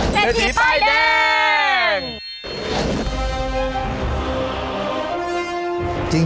เจ้าที่ป้ายแดง